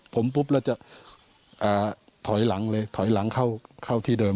ผมปุ๊บอ่ะจะถอยหลังเลยเข้าที่เดิม